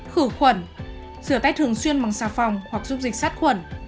khử khuẩn sửa tay thường xuyên bằng xà phòng hoặc dung dịch sát khuẩn